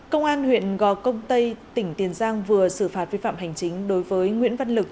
công an huyện gò công tây tỉnh tiền giang vừa xử phạt vi phạm hành chính đối với nguyễn văn lực